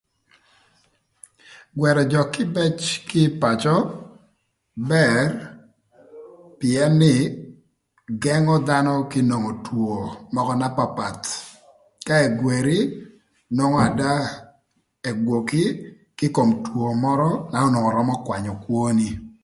Ngwërö jö kïbëc kï ï pacö bër pïën nï gëngö dhanö kï nwongo two mökö na papath. Ka engweri nongo ada egwoki kï kom two mörö na onwongo römö kwanyö kwöni